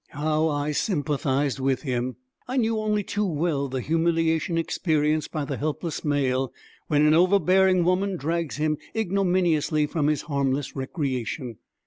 How I sympathized with him! I knew only too well the humiliation experienced by the helpless male when overbearing woman drags him ignominiously from his harmless recreation.